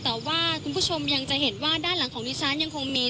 แต่ว่าคุณผู้ชมยังจะเห็นว่าด้านหลังของดิฉันยังคงมี